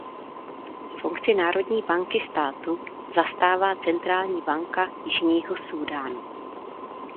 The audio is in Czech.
Funkci národní banky státu zastává Centrální banka Jižního Súdánu.